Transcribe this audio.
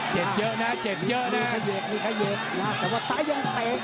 เจ็บเยอะนะเจ็บเยอะนะขยกนี่ขยกแต่ว่าซ้ายยังเตะ